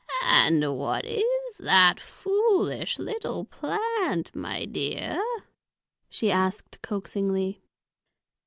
"And what is that foolish little plant, my dear?" she asked coaxingly.